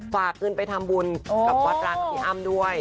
พากลิ้นไปทำบุญแล้วกับวัตรลากับพี่อ้ำด้วย